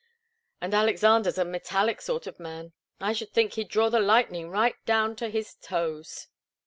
And Alexander's a metallic sort of man I should think he'd draw the lightning right down to his toes."